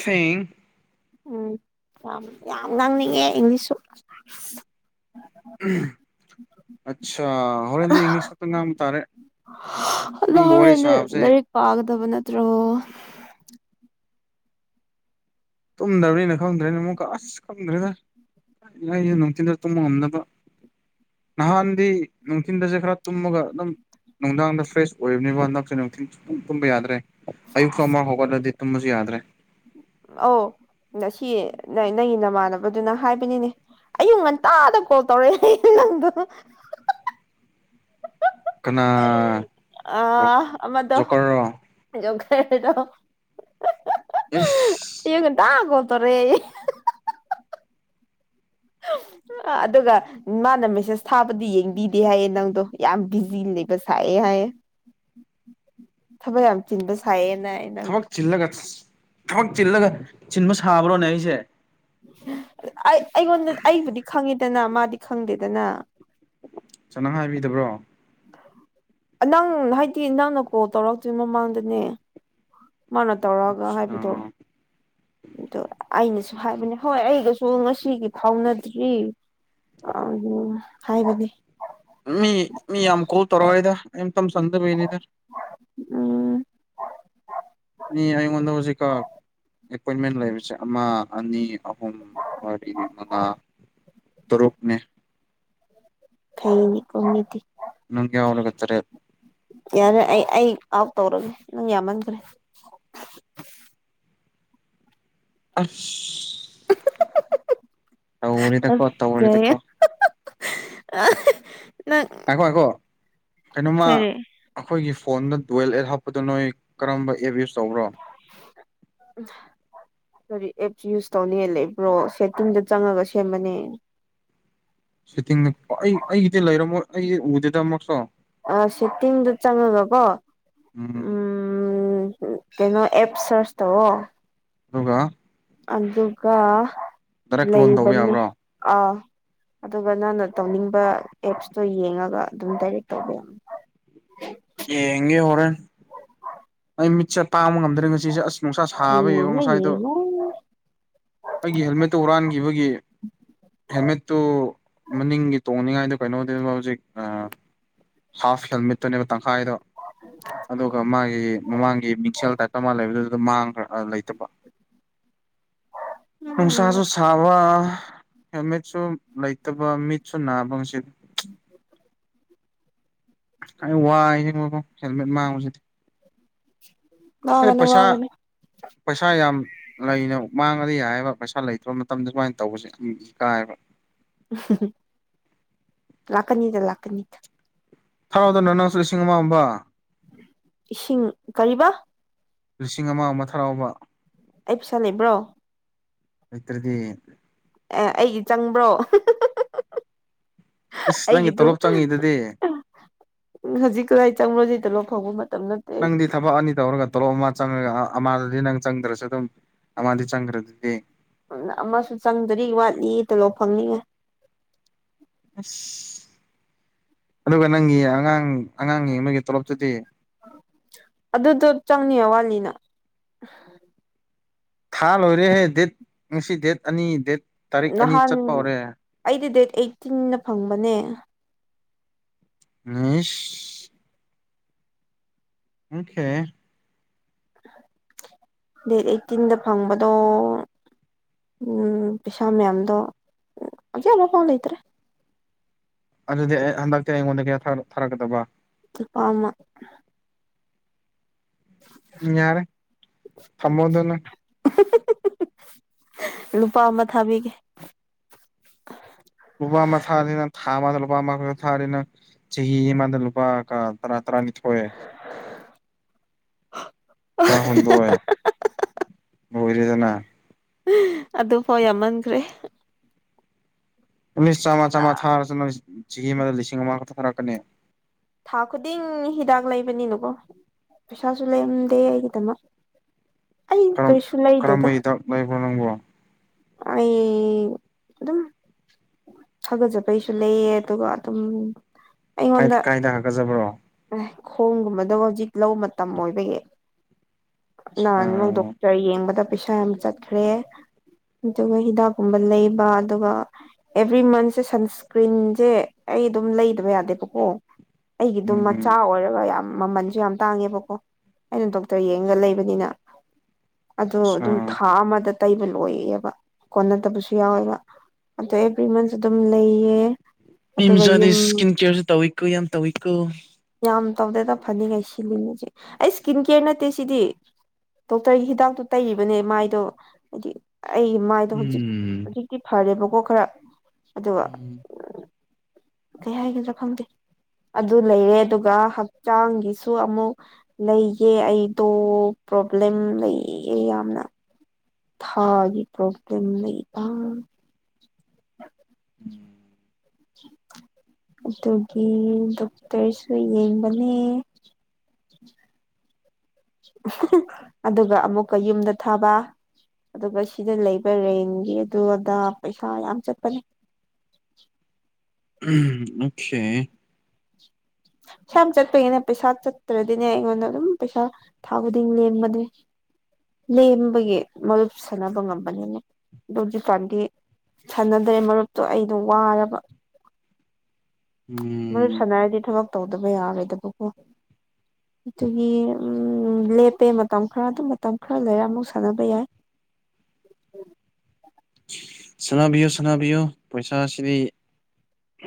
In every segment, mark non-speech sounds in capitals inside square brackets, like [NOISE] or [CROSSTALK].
ꯐꯦꯡ ꯎꯝ ꯌꯥꯝ ꯌꯥꯝ ꯉꯥꯡꯅꯤꯡꯉꯦ ꯏꯪꯂꯤꯁꯁꯨ ꯑꯠꯆꯥ ꯍꯣꯔꯦꯟꯗꯤ ꯏꯪꯂꯤꯁ ꯈꯛꯇ ꯉꯥꯡꯕ ꯇꯥꯔꯦ ꯅꯪꯕꯨ ꯋꯥꯔꯤ ꯁꯥꯞꯁꯦ ꯇ꯭ꯔꯣ ꯇꯨꯝꯗꯕꯅꯤꯅ ꯈꯪꯗ꯭ꯔꯦꯅꯦ ꯑꯃꯨꯛꯀ ꯑꯁ ꯈꯪꯗ꯭ꯔꯦꯗ ꯏꯌꯥꯅꯤ ꯅꯨꯡꯊꯤꯟꯗ ꯇꯨꯝꯕ ꯉꯝꯅꯕ ꯅꯍꯥꯟꯗꯤ ꯅꯨꯡꯊꯤꯟꯗꯁꯦ ꯈꯔ ꯇꯨꯝꯃꯒ ꯑꯗꯨꯝ ꯅꯨꯡꯗꯥꯡꯗ ꯐ꯭ꯔꯦꯁ ꯑꯣꯏꯕꯅꯤꯕ ꯍꯟꯗꯛꯁꯦ ꯅꯨꯡꯊꯤꯟ ꯁꯨ ꯄꯨꯡ ꯇꯨꯝꯕ ꯌꯥꯗ꯭ꯔꯦ ꯑꯌꯨꯛꯁꯨ ꯁꯦꯁ ꯑꯃꯥ ꯍꯧꯒꯠꯂꯗꯤ ꯇꯨꯝꯕꯁꯨ ꯌꯥꯗ꯭ꯔꯦ ꯑꯧ ꯅꯁꯤ ꯅꯪꯒꯤ ꯅꯃꯥꯟꯅꯕꯗꯨꯅ ꯍꯥꯏꯕꯅꯤꯅꯦ ꯑꯌꯨꯛ ꯉꯟꯇꯥꯗ ꯀꯣꯜ ꯇꯧꯔꯛꯑꯦ ꯅꯪꯗꯣ [INAUDIBLE] ꯀꯅꯥ ꯑ ꯑꯃꯗꯣ ꯖꯣꯀꯔꯔꯣ ꯌ ꯏꯁ ꯑꯌꯨꯛ ꯉꯟꯇꯥ ꯀꯣꯜ ꯇꯣꯔꯦ [UNINTELLIGIBLE] ꯑ ꯑꯗꯨꯒ ꯃꯥꯅ ꯃꯦꯁꯦꯁ ꯊꯥꯕꯗꯤ ꯌꯦꯡꯕꯤꯗꯦ ꯍꯥꯏꯌꯦ ꯅꯪꯗꯣ ꯌꯥꯝ ꯕꯤꯖꯤ ꯂꯩꯕ ꯁꯥꯏꯌꯦ ꯍꯥꯏꯌꯦ [UNINTELLIGIBLE] ꯊꯕꯛ ꯌꯥꯝ ꯆꯤꯟꯕ ꯁꯥꯏꯌꯦ ꯊꯕꯛ ꯆꯤꯜꯂꯒ ꯊꯕꯛ ꯆꯤꯜꯂꯒ ꯆꯤꯟꯕ ꯁꯥꯕ꯭ꯔꯣꯅꯦ ꯑꯩꯁꯦ ꯑꯩ ꯑꯩꯉꯣꯟꯗ ꯑꯩꯕꯨꯗꯤ ꯈꯪꯉꯤꯗꯅ ꯃꯥꯗꯤ ꯈꯪꯗꯦꯗꯅꯥ ꯆꯅ ꯍꯥꯏꯕꯤꯗꯕ꯭ꯔꯣ ꯅꯪ ꯍꯥꯏꯗꯤ ꯅꯪꯅ ꯀꯣꯜ ꯇꯧꯔꯛꯇꯤ ꯃꯃꯥꯡꯗꯅꯦ ꯃꯥꯅ ꯇꯧꯔꯑꯒ ꯍꯥꯏꯕꯗꯑꯣ ꯑꯩꯅꯁꯨ ꯍꯥꯏꯕꯅꯦ ꯍꯣꯏ ꯑꯩꯒꯁꯨ ꯉꯁꯤꯒꯤ ꯐꯥꯎꯅꯗ꯭ꯔꯤ ꯑ ꯍꯥꯏꯕꯗꯤ ꯇꯧꯔꯣꯏꯗ ꯑꯩ ꯇꯝ ꯁꯪꯗꯕꯩꯅꯤꯗ ꯎꯝ ꯃꯤ ꯑꯩꯉꯣꯟꯗ ꯍꯧꯖꯤꯛꯀꯣ ꯑꯦꯄꯣꯏꯟꯃꯦꯟ ꯂꯩꯕꯁꯦ ꯑꯃ ꯑꯅꯤ ꯑꯍꯨꯝ ꯃꯔꯤ ꯃꯉꯥ ꯇꯔꯨꯛꯅꯦ ꯐꯩꯅꯦꯀꯣ ꯃꯤꯗꯤ ꯅꯪ ꯌꯥꯎꯔꯒ ꯇꯔꯦꯠ ꯌꯥꯔꯦ ꯑ ꯑꯩ ꯑꯥꯎꯠ ꯇꯧꯔꯒꯦ ꯅꯪ ꯌꯥꯝꯃꯟꯈ꯭ꯔꯦ ꯑꯁ ꯇꯧꯔꯦꯗꯀꯣ ꯇꯧꯔꯦꯗ ꯀꯔꯤ ꯀꯣ ꯅꯪ ꯀꯩꯅꯣꯝꯃ ꯀꯔꯤ ꯑꯩꯈꯣꯏꯒꯤ ꯐꯣꯟꯗ ꯗ꯭ꯋꯦꯜ ꯑꯦꯠ ꯍꯥꯞꯄꯗꯣ ꯅꯣꯏ ꯀꯔꯝꯕ ꯑꯦꯞ ꯌꯨꯁ ꯆꯧꯕ꯭ꯔꯣ ꯀꯔꯤ ꯑꯦꯞꯁ ꯌꯨꯁ ꯇꯧꯅꯤꯡꯉꯥꯏ ꯂꯩꯕ꯭ꯔꯣ ꯁꯦꯇꯤꯡꯗ ꯆꯪꯉꯒ ꯁꯦꯝꯃꯅꯦ ꯁꯦꯇꯤꯡꯅ ꯑꯩ ꯑꯩꯒꯤꯗꯤ ꯂꯩꯔꯝꯃꯣꯏ ꯑꯩ ꯎꯗꯦꯗ ꯃꯆꯥ ꯑ ꯁꯦꯇꯤꯡꯗ ꯆꯪꯉꯒꯀꯣ ꯎꯝ ꯎꯝ ꯎ ꯀꯩꯅꯣ ꯑꯦꯞ ꯁꯔꯆ ꯇꯧꯑꯣ ꯗꯨꯒ ꯑꯗꯨꯒ ꯗꯥꯏꯔꯦꯛ ꯀ꯭ꯂꯣꯟ ꯇꯧꯕ ꯂꯩꯕꯅꯦ ꯌꯥꯕ꯭ꯔꯣ ꯑꯥ ꯑꯗꯨꯒ ꯅꯪꯅ ꯇꯧꯅꯤꯡꯕ ꯑꯦꯞꯁꯇꯣ ꯌꯦꯡꯉꯒ ꯑꯗꯨꯝ ꯗꯥꯏꯔꯦꯛ ꯇꯧꯕꯤꯔꯝ ꯌꯦꯉꯦ ꯍꯣꯔꯦꯟ ꯑꯩ ꯃꯤꯠꯁꯦ ꯇꯥꯡꯕ ꯉꯝꯗ꯭ꯔꯦ ꯉꯁꯤꯁꯦ ꯑꯁ ꯅꯨꯡꯁꯥ ꯌꯥꯅꯤ ꯁꯥꯕ ꯌꯦꯕ ꯌꯦꯡꯉꯣ ꯉꯁꯥꯏꯗꯣ ꯌꯦꯡꯉꯣ ꯑꯩꯒꯤ ꯍꯦꯜꯃꯦꯠꯇꯨ ꯍꯨꯔꯥꯟꯈꯤꯕꯒꯤ ꯍꯦꯃꯦꯠꯇꯨ ꯃꯅꯤꯡꯒꯤ ꯇꯣꯡꯅꯤꯉꯥꯏꯗ ꯀꯩꯅꯣꯖꯤ ꯍꯥ ꯍꯦꯜꯃꯦꯠ ꯇꯪꯈꯥꯏꯗꯣ ꯑꯗꯨꯒ ꯃꯥꯒꯤ [UNINTELLIGIBLE] ꯂꯩꯇꯕ ꯅꯨꯡꯁꯥꯁꯨ ꯎꯝ ꯁꯥꯕ ꯍꯦꯜꯃꯦꯠꯁꯨ ꯂꯩꯇꯕ ꯃꯤꯠꯁꯨ ꯅꯥꯕ ꯉꯁꯤ ꯑꯩ ꯋꯥꯏ ꯌꯦꯕꯕꯣ ꯍꯦꯜꯃꯦꯠ ꯃꯥꯡꯕꯁꯤꯗꯤ ꯎ ꯑ ꯄꯩꯁꯥ ꯄꯩꯁꯥ ꯌꯥꯝ ꯂꯩꯅ ꯃꯥꯡꯉꯗꯤ ꯌꯥꯏꯕ ꯄꯩꯁꯥ ꯏꯁꯥ ꯂꯩꯇ꯭ꯔꯕ ꯃꯇꯝꯗ ꯁꯨꯃꯥꯏꯅ ꯇꯧꯕꯁꯦ ꯀꯥꯏꯕ ꯂꯀꯅꯤꯗ ꯂꯀꯅꯤꯗ ꯊꯔꯣꯗꯅ ꯅꯪ ꯁ ꯂꯤꯁꯤꯡ ꯑꯃ ꯑꯃꯕ ꯏꯁꯤꯡ ꯀꯔꯤꯕ ꯂꯤꯁꯤꯡ ꯑꯃ ꯑꯃ ꯊꯔꯥꯎꯕ ꯑꯩ ꯄꯩꯁꯥ ꯂꯩꯕ꯭ꯔꯣ ꯏꯇ꯭ꯔꯗꯤ ꯑꯦ ꯑꯩꯗꯤ ꯆꯪꯕ꯭ꯔꯣ ꯏꯁꯁ ꯅꯪꯒꯤ ꯑꯩꯒꯤꯗꯨ ꯇꯣꯂꯣꯞ ꯆꯪꯉꯤꯗꯗꯤ ꯍꯧꯖꯤꯛ ꯀꯗꯥꯏ ꯆꯪꯕ꯭ꯔꯣꯁꯤ ꯇꯣꯂꯣꯞ ꯐꯪꯕ ꯃꯇꯝ ꯅꯠꯇꯦ ꯅꯪꯗꯤ ꯊꯕꯛ ꯑꯅꯤ ꯇꯧꯔꯒ ꯇꯣꯂꯣꯞ ꯑꯃ ꯆꯪꯉꯒ ꯑꯃꯥꯗꯗꯤ ꯅꯪ ꯆꯪꯗ꯭ꯔꯁꯨ ꯑꯗꯨꯝ ꯑꯃꯗꯤ ꯆꯪꯈ꯭ꯔꯗꯤꯗꯤ ꯎ ꯑꯃꯁꯨ ꯆꯪꯗꯔꯤ ꯋꯥꯠꯂꯤ ꯇ ꯂꯣ ꯐꯪꯅꯤꯡꯉꯦ ꯑꯁ ꯑꯗꯨꯒ ꯅꯪꯒꯤ ꯑꯉꯥꯡ ꯑꯉꯥꯡꯅꯤ ꯃꯣꯏꯒꯤ ꯇꯣꯂꯣꯞ ꯆꯗꯤ ꯄꯨꯅꯤ ꯋꯥꯂꯤꯅ ꯊꯥ ꯂꯣꯏꯔꯦꯍꯦ ꯗꯦꯠ ꯉꯁꯤ ꯗꯦꯠ ꯑꯅꯤ ꯗꯦꯠ ꯇꯥꯔꯤꯛ ꯑꯅꯤ ꯅꯍꯥꯟ ꯆꯠꯄ ꯍꯧꯔꯦ ꯑꯩꯗꯤ ꯗꯦꯠ ꯑꯩꯠꯇꯤꯟ ꯐꯪꯕꯅꯦ ꯃꯤꯁ ꯑꯣꯀꯦ [INAUDIBLE] ꯗꯦꯠ ꯑꯩꯠꯇꯤꯟꯗ ꯐꯪꯕꯗꯣ ꯎꯝ ꯄꯩꯁꯥ ꯃꯌꯥꯝꯗꯣ ꯍꯧꯖꯤ ꯑꯃꯐꯥꯎ ꯂꯩꯇ꯭ꯔꯦ ꯑꯗꯨꯗꯤ ꯑꯩ ꯍꯟꯗꯛꯇꯤ ꯑꯩꯉꯣꯟꯗ ꯀꯌꯥ ꯊꯥꯔꯛꯀꯗꯕ ꯅꯨꯄꯥꯃ ꯌꯥꯔꯦ ꯐꯃꯣꯗꯅ ꯂꯨꯄꯥ ꯑꯃ ꯊꯥꯕꯤꯒꯦ ꯂꯨꯄꯥ ꯑꯃ ꯊꯥꯔꯤꯅꯤꯅ ꯊꯥ ꯑꯃꯗ ꯂꯨꯄꯥ ꯑꯃꯈꯥꯛ ꯊꯥꯅꯤꯅ ꯆꯍꯤ ꯑꯃꯗ ꯂꯨꯄꯥ ꯇꯔꯥ ꯇꯔꯥꯅꯤꯊꯣꯐ ꯍ ꯇꯔꯥ ꯍꯨꯝꯗꯣꯏꯑ ꯍꯣꯏꯔꯖꯅ ꯑꯗꯨꯐꯥꯎ ꯌꯥꯝꯃꯟꯈ꯭ꯔꯦ ꯎꯁ ꯆꯥꯝꯃ ꯆꯥꯝꯃꯥ ꯊꯥꯔ ꯆꯍꯤ ꯑꯃꯗ ꯂꯤꯁꯤꯡ ꯑꯃꯈꯛꯛꯇꯊꯔꯛꯀꯅꯤ ꯊꯥ ꯈꯨꯗꯤꯡ ꯍꯤꯗꯥꯛ ꯂꯩꯕꯅꯤꯅꯨꯀꯣ ꯄꯩꯁꯥꯁꯨ ꯂꯩꯔꯝꯗꯦ ꯑꯩꯒꯤꯗꯃꯛ ꯑꯩ ꯀꯔꯝ ꯀꯔꯤꯁꯨ ꯂꯩꯗꯦꯗ ꯀꯔꯝꯕ ꯍꯤꯗꯥꯛ ꯂꯩꯕ꯭ꯔꯣ ꯅꯪꯕꯣ ꯑꯩ ꯑꯗꯨ ꯑꯗꯨꯝ ꯊꯥꯒꯠꯆꯕꯩꯁꯨ ꯂꯩꯌꯦ ꯑꯗꯨꯒ ꯑꯗꯨꯝ ꯀ ꯑꯩꯉꯣꯟꯗ ꯀꯥꯏꯗ ꯍꯥꯀꯠꯆꯕ꯭ꯔꯣ ꯈꯣꯡꯒꯨꯝꯕꯗꯣ ꯍꯧꯖꯤꯛ ꯂꯧ ꯃꯇꯝ ꯑꯣꯏꯕꯒꯤ ꯅꯍꯥꯟ ꯅꯪ ꯎꯝ ꯗꯣꯛꯇꯔ ꯌꯦꯡꯕꯗ ꯄꯩꯁꯥ ꯌꯥꯝ ꯆꯠꯈ꯭ꯔꯦ ꯑꯗꯨꯒ ꯍꯤꯗꯥꯛꯀꯨꯝꯕ ꯂꯩꯕ ꯑꯗꯨꯒ ꯑꯦꯕ꯭ꯔꯤ ꯃꯟꯠꯁꯦ ꯁꯟꯁꯀ꯭ꯔꯤꯟꯁꯦ ꯑꯩ ꯑꯗꯨꯝ ꯂꯩꯗꯕ ꯌꯥꯗꯦꯕꯀꯣ ꯑꯩꯒꯤꯗꯨꯝ ꯃꯆꯥ ꯑ ꯑꯣꯏꯔꯒ ꯌꯥꯝ ꯃꯃꯜꯁꯨ ꯌꯥꯝ ꯇꯥꯡꯉꯦꯕꯀꯣ ꯑꯩꯅ ꯗꯣꯛꯇꯔ ꯌꯦꯡꯒ ꯂꯩꯕꯅꯤꯅ ꯑꯗꯣ ꯑꯗꯨꯝ ꯊꯥ ꯑꯃꯗ ꯇꯩꯕ ꯂꯣꯏꯑꯦꯕ ꯀꯣꯟꯅꯗꯕꯁꯨ ꯌꯥꯎꯋꯦꯕ ꯑꯗꯣ ꯑꯦꯕ꯭ꯔꯤ ꯃꯟꯁ ꯑꯗꯨꯝ ꯂꯩꯌꯦ ꯅꯨꯄꯤ ꯑꯗꯨꯒ ꯃꯆꯥꯗꯤ ꯌꯨꯝ ꯏꯁꯀꯤꯟ ꯀꯦꯌꯔꯁꯨ ꯇꯧꯋꯤꯀꯣ ꯌꯥꯝ ꯇꯧꯋꯤꯀꯣ ꯌꯥꯝ ꯇꯧꯗꯦꯗ ꯐꯅꯤꯉꯥꯏ ꯁꯤꯜꯂꯤꯅꯤꯁꯦ ꯑꯩ ꯏꯁꯀꯤꯟ ꯀꯦꯌꯔ ꯅꯠꯇꯦ ꯁꯤꯗꯤ ꯗꯣꯛꯇꯔꯒꯤ ꯍꯤꯗꯥꯛꯇꯨ ꯇꯩꯔꯤꯕꯅꯦ ꯃꯥꯏꯗꯣ ꯍꯥꯏꯗꯤ ꯑꯩ ꯃꯥꯏꯗꯣ ꯍꯧꯖꯤꯛ ꯎꯝ ꯍꯧꯖꯤꯛꯇꯤ ꯐꯔꯦꯕꯀꯣ ꯈꯔ ꯑꯗꯨꯒ ꯎꯝ ꯀꯩ ꯍꯥꯏꯒꯗ꯭ꯔꯥ ꯈꯪꯗꯦ ꯑꯗꯨ ꯂꯩꯔꯦ ꯑꯗꯨꯒ ꯍꯛꯆꯥꯡꯒꯤꯁꯨ ꯑꯃꯨꯛ ꯂꯩꯒꯦ ꯑꯩꯗꯣ ꯄ꯭ꯔꯣꯕ꯭ꯂꯦꯝ ꯂꯩ ꯌꯥꯝꯅ ꯊꯥꯒꯤ ꯄ꯭ꯔꯣꯕ꯭ꯂꯦꯝ ꯂꯩꯕ ꯑꯗꯨꯒꯤ ꯗꯣꯛꯇꯔꯁꯨ ꯌꯦꯡꯕꯅꯦ ꯑꯗꯨꯒ ꯑꯃꯨꯛꯀ ꯌꯨꯝꯗ ꯊꯥꯕ ꯑꯗꯨꯒ ꯁꯤꯗ ꯂꯩꯕ ꯔꯦꯟꯒꯤ ꯑꯗꯨ ꯑꯗꯥ ꯄꯩꯁꯥ ꯌꯥꯝ ꯆꯠꯄꯅꯦ ꯑꯣꯈꯦ [INAUDIBLE] ꯄꯩꯁꯥ ꯌꯥꯝ ꯆꯠꯄꯒꯤꯅꯦ ꯄꯩꯁꯥ ꯆꯠꯇ꯭ꯔꯗꯤꯅꯦ ꯑꯩꯉꯣꯟꯗ ꯑꯗꯨꯝ ꯄꯩꯁꯥ ꯊꯥ ꯈꯨꯗꯤꯡ ꯂꯦꯝꯕꯅꯦ ꯂꯦꯝꯕꯒꯤ ꯃꯔꯨꯞ ꯁꯥꯟꯅꯕ ꯉꯝꯕꯅꯤꯅꯩ ꯑꯗꯣ ꯍꯧꯖꯤꯀꯥꯟꯗꯤ ꯁꯥꯟꯅꯗ꯭ꯔꯦ ꯃꯔꯨꯞꯇꯣ ꯑꯩꯗꯣ ꯋꯥꯔꯕ ꯃꯔꯨꯞ ꯎꯝ ꯁꯥꯟꯅꯔꯗꯤ ꯊꯕꯛ ꯇꯧꯗꯕ ꯌꯥꯔꯣꯏꯗꯕꯀꯣ ꯑꯗꯨꯒꯤ ꯎꯝ ꯂꯦꯞꯄꯦ ꯃꯇꯝ ꯈꯔ ꯑꯗꯨꯝ ꯃꯇꯝ ꯈꯔ ꯂꯩꯔ ꯑꯃꯨꯛ ꯁꯥꯟꯅꯕ ꯌꯥꯏ ꯁꯥꯟꯅꯥꯕꯤꯌꯨ ꯁꯥꯟꯅꯥꯕꯤꯌꯨ ꯄꯩꯁꯥꯁꯤꯗꯤ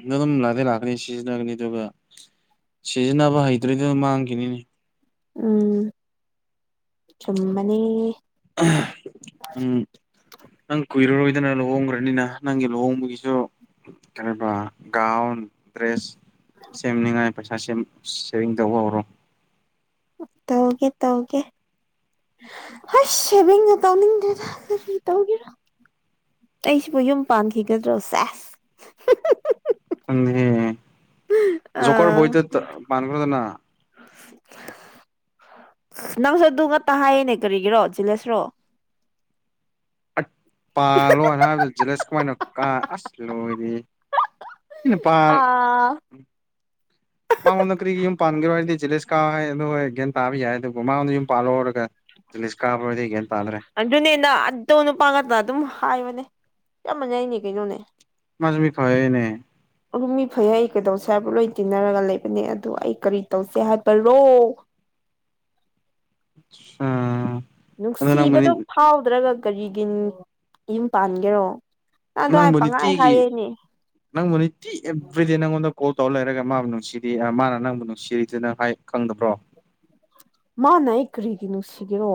ꯅ ꯑꯗꯨꯝ ꯂꯥꯛꯇꯤ ꯂꯥꯛꯀꯅꯤ ꯁꯤꯖꯤꯅꯒꯅꯤ ꯗꯨꯒ ꯁꯤꯖꯤꯟꯅꯕ ꯍꯩꯇ꯭ꯔꯗꯤ ꯃꯥꯡꯈꯤꯅꯤꯅꯦ ꯎꯝ ꯆꯨꯝꯕꯅꯦ ꯎꯝ ꯅꯪ ꯀꯨꯏꯔꯔꯣꯏꯗꯅ ꯂꯨꯍꯣꯡꯈ꯭ꯔꯅꯤꯅ ꯅꯪꯒꯤ ꯂꯨꯍꯣꯡꯕꯒꯤꯁꯨ ꯀꯔꯕ ꯒꯥꯎꯟ ꯗ꯭ꯔꯦꯁ ꯁꯦꯝꯅꯤꯉꯥꯏ ꯄꯩꯁꯥ ꯁꯦꯝ ꯁꯦꯚꯤꯡ ꯇꯧꯕ ꯍꯧꯔꯣ ꯇꯧꯒꯦ ꯇꯧꯒꯦ ꯍꯥꯢꯁ ꯁꯦꯕꯤꯡꯒ ꯇꯧꯅꯤꯡꯗꯔ꯭ꯦꯗ ꯀꯔꯤ ꯇꯧꯒꯦꯔꯥ ꯑꯩꯁꯤꯕꯨ ꯌꯨꯝ ꯄꯥꯟꯈꯤꯒꯗ꯭ꯔꯣ ꯁꯦꯁ ꯖꯣꯀꯔ ꯑꯥ ꯕꯣꯏꯗ ꯇ ꯄꯥꯟꯈꯔꯣꯗꯅꯥ ꯅꯪꯁꯨ ꯑꯗꯨ ꯉꯛꯇ ꯍꯥꯏꯌꯦꯅꯦ ꯀꯔꯤꯒꯤꯔꯣ ꯖꯦꯂꯁꯔꯣ ꯑꯠ ꯄꯥꯥꯂꯣ ꯍꯥꯏꯕꯗ ꯖꯂꯦꯁ ꯀꯃꯥꯏꯅ ꯀꯥ ꯑꯁ ꯂꯣꯏꯔꯦ ꯏꯩꯅꯄꯥꯜ ꯑꯥ ꯃꯉꯣꯟꯗ ꯀꯔꯤ ꯌꯨꯝ ꯄꯥꯟꯒꯦꯔꯣ ꯍꯥꯏꯔꯗꯤ ꯖꯦꯂꯁ ꯀꯥ ꯍꯥꯏ ꯑꯗꯨꯣꯏ ꯒꯌ꯭ꯥꯟ ꯇꯥꯕ ꯌꯥꯏ ꯑꯗꯨꯕꯨ ꯃꯉꯣꯟꯗ ꯌꯨꯝ ꯄꯥꯜꯂꯣꯔꯒ ꯑꯗꯨꯅꯦꯅ ꯑꯗꯣ ꯅꯨꯄꯥ ꯉꯛꯇ ꯑꯗꯨꯝ ꯍꯥꯏꯕꯅꯦ ꯌꯥꯝ ꯃꯅꯩꯌꯦꯅꯦ ꯀꯩꯅꯣꯅꯦ ꯃꯥꯁꯨ ꯃꯤ ꯐꯩꯌꯦꯅꯦ ꯑꯗꯨꯨꯝ ꯃꯤ ꯐꯩ ꯍꯥꯏ ꯀꯩꯗꯧꯁꯦ ꯕꯨ ꯂꯣꯏ ꯇꯤꯟꯅꯔꯒ ꯂꯩꯕꯅꯦ ꯑꯗꯣ ꯑꯩ ꯀꯔꯤ ꯇꯧꯁꯦ ꯍꯥꯏꯕꯔꯣ [INAUDIBLE] ꯎꯝ ꯅꯨꯡꯁꯤꯕꯗꯣ ꯐꯥꯎꯗ꯭ꯔꯒ ꯀꯔꯤꯒꯤ ꯌꯨꯝ ꯄꯥꯟꯒꯦꯔꯣ ꯑꯗꯨꯋꯥꯏ ꯅꯪꯕꯨ ꯄꯪꯍꯥꯏ ꯅꯤꯇꯤꯒꯤ ꯍꯥꯏꯌꯦꯅꯦ ꯅꯪꯕꯨ ꯅꯤꯇꯤ ꯑꯦꯕ꯭ꯔꯤꯗꯦ ꯅꯪꯉꯣꯟꯗ ꯀꯣ ꯇꯧ ꯂꯩꯔꯒ ꯃꯥꯕꯨ ꯅꯨꯡꯁꯤꯗꯦ ꯃꯥꯅ ꯅꯪꯕꯨ ꯅꯨꯡꯁꯤꯔꯤꯗꯨ ꯅꯪ ꯍꯥꯏ ꯈꯪꯗꯕ꯭ꯔꯣ ꯃꯥꯅ ꯑꯩ ꯀꯔꯤꯒꯤ ꯅꯨꯡꯁꯤꯒꯦꯔꯣ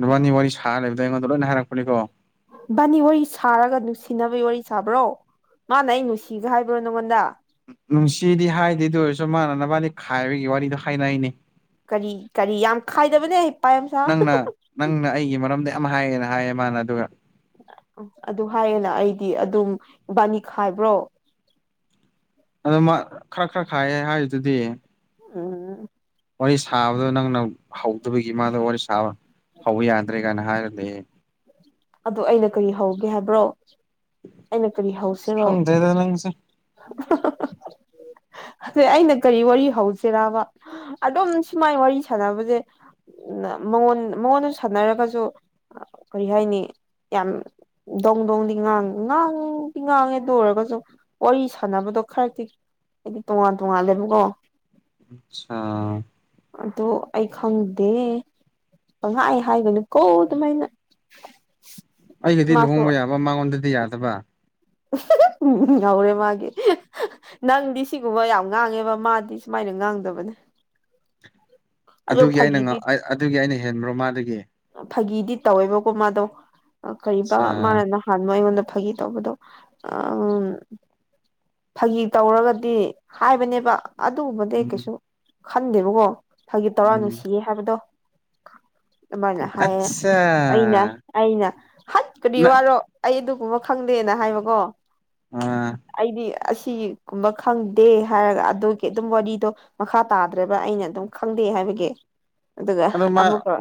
ꯅꯨꯕꯥꯅꯤ ꯋꯥꯔꯤ ꯁꯥꯔ ꯂꯩꯕꯗꯣ ꯑꯩꯉꯣꯟꯗ ꯂꯣꯏꯅ ꯍꯥꯏꯔꯛꯄꯅꯤꯀꯣ ꯕꯥꯅꯤ ꯋꯥꯔꯤ ꯁꯥꯔꯒ ꯅꯨꯡꯁꯤꯅꯕꯒꯤ ꯋꯥꯔꯤ ꯁꯥꯕ꯭ꯔꯣ ꯃꯥꯅ ꯑꯩ ꯅꯨꯡꯁꯤꯕ ꯍꯥꯏꯕ꯭ꯔꯣ ꯅꯪꯉꯣꯟꯗ ꯅꯨꯡꯁꯤꯗꯤ ꯍꯥꯏꯗꯦꯗ ꯑꯣꯏꯔꯁꯨ ꯃꯥꯅꯅꯕꯗꯤ ꯈꯥꯏꯕꯒꯤ ꯋꯥꯔꯤꯗꯣ ꯍꯥꯏꯅꯩꯅꯤ ꯀꯔꯤ ꯀꯔꯤ ꯌꯥꯝ ꯈꯥꯏꯗꯕꯅꯦ ꯄꯥꯏꯌꯥꯝ ꯁꯥ ꯅꯪꯅ ꯅꯪꯅ ꯑꯩꯒꯤ ꯃꯔꯝꯗ ꯌꯥꯝ ꯍꯥꯏꯌꯦꯅ ꯍꯥꯏꯌꯦ ꯃꯥꯅ ꯑꯗꯨꯒ ꯑꯗꯨ ꯍꯥꯏꯌꯦꯦꯅ ꯑꯩꯗꯤ ꯑꯗꯨꯝ ꯏꯕꯥꯅꯤ ꯈꯥꯏꯕ꯭ꯔꯣ ꯑꯗꯨ ꯈꯔ ꯈꯔ ꯈꯥꯏꯌꯦ ꯍꯥꯏꯔꯤꯗꯨꯗꯤ ꯎꯝ ꯋꯥꯔꯤ ꯁꯥꯕꯗꯣ ꯅꯪꯅ ꯍꯧꯗꯕꯒꯤ ꯃꯥꯗ ꯋꯥꯔꯤ ꯁꯥꯕ ꯍ ꯌꯥꯗ꯭ꯔꯦ ꯀꯥꯏꯅ ꯍꯥꯏꯔꯗꯤ ꯑꯗꯨ ꯑꯩꯅ ꯀꯔꯤ ꯍꯧꯒꯦ ꯍꯥꯏꯕ꯭ꯔꯣ ꯑꯩꯅ ꯀꯔꯤ ꯍꯧꯁꯤꯔꯣ ꯈꯪꯗ꯭ꯔꯦꯗ ꯅꯪꯁꯦ ꯑꯗꯩ ꯑꯩꯅ ꯀꯔꯤ ꯋꯥꯔꯤ ꯍꯧꯁꯤꯔꯔꯕ ꯑꯗꯨꯝ ꯁꯨꯃꯥꯏ ꯋꯥꯔꯤ ꯁꯥꯟꯅꯕꯁꯦ ꯃꯉꯣꯟ ꯃꯉꯣꯟꯗ ꯁꯥꯟꯅꯔꯒꯁꯨ ꯀꯔꯤ ꯍꯥꯏꯅꯤ ꯌꯥꯝ ꯗꯣꯡ ꯗꯣꯡꯗꯤ ꯉꯥꯡ ꯉꯥꯡꯗꯤ ꯉꯥꯡꯉꯦ ꯑꯗꯨ ꯑꯣꯏꯔꯒꯁꯨ ꯋꯥꯔꯤ ꯁꯥꯟꯅꯕ ꯁꯥꯟꯅꯕꯗꯣ ꯈꯔꯛꯇꯤ ꯍꯥꯏꯗꯤ ꯇꯣꯉꯥꯟ ꯇꯣꯉꯜꯂꯦꯕꯀꯣ ꯑꯆꯥ ꯑꯗꯨ ꯑꯩ ꯈꯪꯗꯦ ꯄꯍꯥꯏ ꯍꯥꯏꯒꯅꯨꯀꯣ ꯑꯗꯨꯃꯥꯏꯅ ꯎ ꯑꯩꯒꯗꯤ ꯂꯨꯍꯣꯡꯕ ꯌꯥꯕ ꯃꯉꯣꯟꯗꯗꯤ ꯌꯥꯗꯕ ꯎꯝ ꯌꯥꯎꯔꯦ ꯃꯥꯒꯤꯦ ꯅꯪꯗꯤ ꯁꯤꯒꯨꯝꯕ ꯌꯥꯝ ꯉꯥꯡꯉꯦꯕ ꯃꯥꯗꯤ ꯁꯨꯃꯥꯏꯅ ꯉꯥꯡꯗꯕꯅꯦ ꯑꯗꯣ ꯑꯗꯨꯒꯤ ꯑꯩꯅ ꯐꯥꯒꯤꯗꯤ ꯑꯗꯨꯒꯤ ꯑꯩꯅ ꯍꯦꯟꯕ꯭ꯔꯣ ꯃꯥꯗꯒꯤ ꯐꯥꯒꯤꯗꯤ ꯇꯧꯋꯦꯕꯀꯣ ꯃꯥꯗꯣ ꯀꯔꯤ ꯑꯠꯆꯥ ꯃꯥꯅ ꯅꯍꯥꯟꯅꯣ ꯑꯩꯉꯣꯟꯗ ꯐꯒꯤ ꯇꯧꯕꯗꯣ ꯎ ꯐꯥꯒꯤ ꯇꯧꯔꯒꯗꯤ ꯍꯥꯏꯕꯅꯦꯕ ꯑꯗꯨꯒꯨꯝꯕꯗꯤ ꯎꯝ ꯀꯩꯁꯨ ꯈꯟꯗꯦꯕꯀꯣ ꯐꯒꯤ ꯇꯧꯔꯥ ꯎꯝ ꯅꯨꯡꯁꯤꯌꯦ ꯍꯥꯏꯕꯗꯣ ꯑꯗꯨꯃꯥꯏꯅ ꯍꯥꯏꯌꯦ ꯑꯠꯆꯥ ꯑꯩꯅ ꯑꯩꯅ ꯍꯠꯄꯗꯤ ꯅ ꯋꯥꯔꯣ ꯑꯩ ꯑꯗꯨ ꯈꯪꯗꯦꯅ ꯍꯥꯏꯕꯀꯣ ꯑꯥ ꯑꯩꯗꯤ ꯑꯁꯤꯒꯨꯝꯕ ꯈꯪꯗꯦ ꯍꯥꯏꯔꯒ ꯑꯗꯨꯒꯤ ꯑꯗꯨꯝ ꯋꯥꯔꯤꯗꯣ ꯃꯈꯥ ꯇꯥꯗ꯭ꯔꯕ ꯑꯩꯅ ꯑꯗꯨꯝ ꯈꯪꯗꯦ ꯍꯥꯏꯕꯒꯤ ꯑꯗꯨꯒ ꯑꯗꯣ ꯃꯥ ꯑꯃꯨꯛꯀ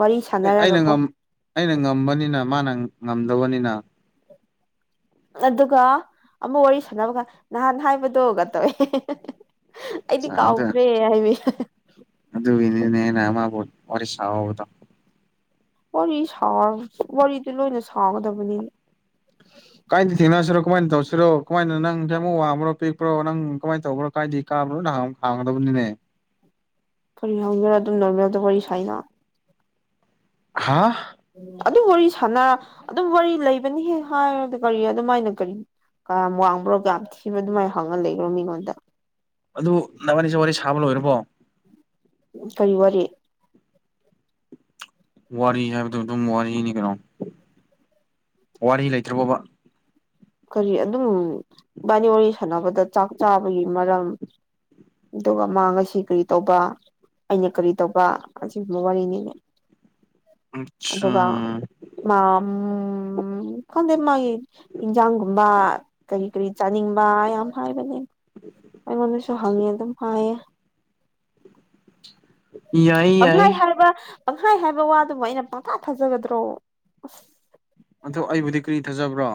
ꯋꯥꯔꯤ ꯑꯦ ꯑꯩꯅ ꯁꯥꯟꯅꯔꯒꯀꯣ ꯑꯩꯅ ꯉꯝꯕꯅꯤꯅ ꯃꯥꯅ ꯉꯝꯗꯕꯅꯤꯅ ꯑꯗꯨꯒ ꯑꯃꯨ ꯋꯥꯔꯤ ꯁꯥꯟꯅꯕꯒ ꯅꯍꯥꯟ ꯍꯥꯏꯕꯗꯨꯣꯒ ꯇꯧꯋꯦ ꯑꯩꯗꯤ ꯀꯥꯎꯈ꯭ꯔꯦ ꯍꯥꯏꯕ ꯑꯗꯨꯅꯤꯅꯦꯃꯕꯨꯣ ꯋꯥꯔꯤꯔ ꯁꯗꯣ ꯋꯥꯔꯤ ꯁꯥ ꯋꯥꯔꯤꯗꯨ ꯂꯣꯏꯅ ꯁꯥꯎꯒꯗꯕꯅꯤꯅ ꯀꯥꯏꯗ ꯊꯦꯡꯅꯁꯤꯔꯣ ꯀꯃꯥꯏꯅ ꯇꯧꯁꯤꯔꯣ ꯀꯃꯥꯏꯅ ꯅꯪ ꯀꯦ ꯑꯃꯛꯡꯕ꯭ꯔꯣ ꯄꯤꯛꯄ꯭ꯔꯣ ꯅꯪ ꯀꯃꯥꯏꯅ ꯇꯧꯕ꯭ꯔꯣ ꯀꯥꯏꯗꯤ ꯀꯥꯕ꯭ꯔꯣ ꯅꯪ ꯍꯥꯡꯕꯛ ꯍꯥꯡꯒꯗꯕꯅꯤ ꯅꯦ ꯐꯔꯤ ꯅꯕ ꯑꯗꯨꯝ ꯅꯣꯡꯃꯦꯔꯗ ꯋꯥꯔꯤꯔꯤ ꯁꯥꯏꯅ ꯍꯥꯥ ꯑꯗꯨꯝ ꯋꯥꯔꯤ ꯁꯥꯟꯅꯔ ꯑꯗꯨꯝ ꯋꯥꯔꯤ ꯂꯩꯕꯅꯤꯍꯦ ꯍꯥꯏꯔꯗꯤ ꯀꯔꯤ ꯑꯗꯨꯃꯥꯏꯅ ꯀꯔꯤ ꯀꯌꯥꯝ ꯋꯥꯡꯕ꯭ꯔꯣ ꯀ ꯊꯤꯕ ꯑꯗꯨꯃꯥꯏꯅ ꯍꯪꯉ ꯂꯩꯕ꯭ꯔꯣ ꯃꯤꯉꯣꯟꯗ ꯑꯗꯨ ꯅꯅꯥꯒꯥꯅꯤꯁ ꯋꯥꯔꯤ ꯁꯥꯕ ꯂꯣꯏꯔꯕꯣ ꯎ ꯀꯔꯤ ꯋꯥꯔꯤ ꯋꯥꯔꯤ ꯍꯥꯏꯕꯗꯨꯣ ꯑꯗꯨꯝ ꯋꯥꯔꯤꯅꯤ ꯀꯩꯅꯣ ꯋꯥꯔꯤ ꯂꯩꯇ꯭ꯔꯕꯣꯕꯥ ꯀꯔꯤ ꯑꯗꯨꯝ ꯏꯕꯥꯅꯤ ꯋꯥꯔꯤ ꯁꯥꯟꯅꯕꯗ ꯆꯥꯛ ꯆꯥꯕꯒꯤ ꯃꯔꯝ ꯑꯗꯨꯒ ꯃꯥ ꯉꯁꯤ ꯀꯔꯤ ꯇꯧꯕ ꯑꯩꯅ ꯀꯔꯤ ꯇꯧꯕ ꯑꯁꯤꯒꯨꯝꯕ ꯋꯥꯔꯤꯅꯤꯅꯦ ꯑꯠꯁꯥ ꯑꯗꯨꯒ ꯃꯥ ꯈꯪꯗꯩ ꯃꯥꯒꯤ ꯂ ꯌꯥꯝ ꯍꯥꯏꯕꯅꯦ ꯑꯩꯉꯣꯟꯗꯁꯨ ꯍꯪꯉꯦ ꯑꯗꯨꯝ ꯍꯥꯏꯌꯦ ꯌꯥꯏꯌꯦ ꯄꯪꯈꯥꯏ ꯌꯥꯏꯌꯦ ꯍꯥꯏꯕ ꯄꯪꯈꯥꯏ ꯍꯥꯏꯕ ꯋꯥꯗꯨꯕꯨ ꯑꯩꯅ ꯄꯪꯀꯥ ꯐꯥꯖꯒꯗ꯭ꯔꯣ ꯑꯁ ꯑꯗ ꯑꯩꯕꯨꯗꯤ ꯀꯔꯤ ꯊꯥꯖꯕ꯭ꯔꯣ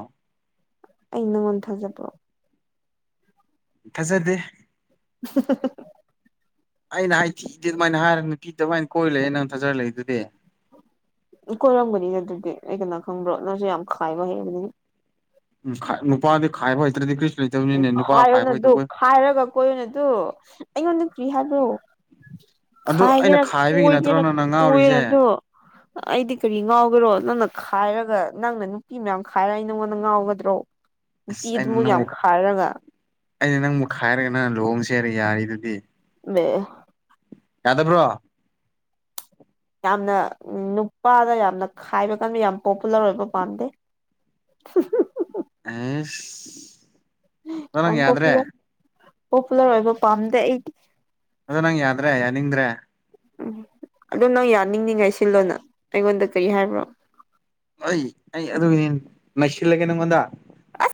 ꯑꯩ ꯅꯪꯉꯣꯟ ꯊꯥꯖꯠꯕꯣ ꯊꯥꯖꯗꯦ [INAUDIBLE] ꯑꯩꯅ ꯍꯥꯏꯗꯤ ꯏꯗꯤ ꯑꯗꯨꯃꯥꯏꯅ ꯍꯥꯏꯔ ꯅꯨꯄꯤꯗꯤ ꯑꯗꯨꯃꯥꯏꯅ ꯀꯣꯏꯔ ꯂꯩꯛꯑꯦ ꯅꯪꯅ ꯊꯥꯖꯔꯂꯛꯏ ꯑꯗꯨꯗꯤ ꯎ ꯀꯣꯏꯔꯝꯒꯅꯤ ꯑꯗꯨꯗꯤ ꯑꯩ ꯀꯅꯥꯣ ꯈꯪꯕ꯭ꯔꯣ ꯅꯪꯁꯨꯦ ꯌꯥꯝ ꯈꯥꯏꯕ ꯍꯩꯕꯗꯨꯅꯤ ꯎꯝ ꯅꯨꯄꯥꯗꯤ ꯈꯥꯏꯕ ꯏ ꯇ꯭ꯔꯦꯗꯤ ꯎ ꯈꯥꯏꯌꯣꯅ ꯑꯗꯨ ꯈꯥꯏꯔꯒ ꯀꯣꯏꯔꯣꯅ ꯑꯗꯨ ꯑꯩꯉꯣꯟꯗ ꯀ꯭ꯔꯤ ꯍꯥꯏꯕ꯭ꯔꯣ ꯑꯗꯨ ꯑꯩꯅ ꯈꯥꯏꯒꯦꯅ ꯈꯥꯏꯕꯒꯤ ꯅꯠꯇ꯭ꯔꯣ ꯀꯣꯏꯒꯦꯅ ꯅꯪꯅ ꯉꯥꯎꯔꯤꯁꯦ ꯀꯣꯏꯦꯅꯗꯣ ꯑꯩꯗꯤ ꯀꯔꯤ ꯉꯥꯎꯈꯔꯣ ꯅꯪꯅ ꯈꯥꯏꯔꯒ ꯅꯪꯅ ꯅꯨꯄꯤ ꯃꯌꯥꯝ ꯈꯥꯏꯔ ꯑꯩ ꯅꯪꯉꯣꯟꯗ ꯉꯥꯎꯒꯗ꯭ꯔꯣ ꯑ ꯑ ꯅ ꯄꯔꯒ ꯑꯩꯅ ꯅꯪ ꯃꯨꯛꯈꯥꯏꯔꯒ ꯅꯪꯅ ꯂꯨꯍꯣꯡ ꯆꯦꯔꯒ ꯌꯥꯔꯤꯗꯨꯗꯤ ꯦ ꯀꯗꯕ꯭ꯔꯣ ꯌꯥꯝꯅ ꯅꯨꯄꯥꯗ ꯌꯥꯝꯅ ꯈꯥꯏꯕ ꯀꯟꯕ ꯌꯥꯝ ꯄꯣꯄꯨꯂꯔ ꯑꯣꯏꯕ ꯄꯥꯝꯗꯦ [INAUDIBLE] ꯑꯦ ꯅꯪ ꯌꯥꯝ ꯌꯥꯗ꯭ꯔꯦ ꯄꯣꯄꯨꯂꯔ ꯄꯣꯄꯨꯂꯔ ꯑꯣꯏꯕ ꯄꯥꯝꯗꯦ ꯑꯩꯗꯤ ꯑꯗ ꯅꯪ ꯌꯥꯗ꯭ꯔꯦ ꯌꯥꯅꯤꯡꯗ꯭ꯔꯦ ꯎꯝ ꯑꯗꯨ ꯅꯪ ꯌꯥꯅꯤꯡꯅꯤꯉꯥꯏ ꯁꯤꯜꯂꯣꯅ ꯑꯩꯉꯣꯟꯗ ꯀꯔꯤ ꯍꯥꯏꯕ꯭ꯔꯣ ꯍ ꯑꯩ ꯑꯗꯨꯒꯤꯅꯤ ꯅꯩꯁꯤꯜꯂꯒꯦ ꯅꯪꯉꯣꯟꯗ ꯑꯁ